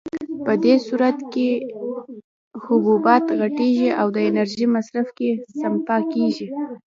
په دې صورت کې حبوبات غټېږي او د انرژۍ په مصرف کې سپما کېږي.